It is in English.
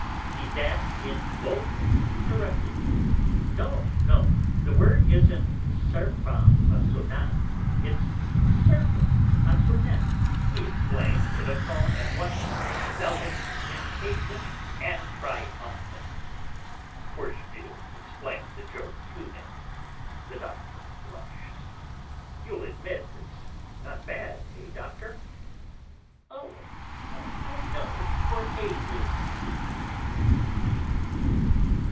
He dashed in boldly to correct it: "No, no. The word isn't serpent à sonates, it's serpent à sonnettes!" he explained in a tone at once zealous, impatient, and triumphant. Forcheville explained the joke to him. The Doctor blushed. "You'll admit it's not bad, eh, Doctor?" "Oh! I've known it for ages."